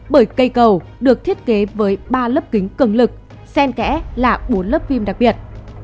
bởi cây cầu được thiết kế với ba lớp kính cường lực sen kẽ là bốn lớp phim đặc biệt